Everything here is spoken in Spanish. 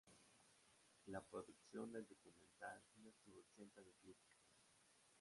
La producción del documental no estuvo exenta de críticas.